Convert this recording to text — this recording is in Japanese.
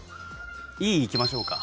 Ｅいきましょうか。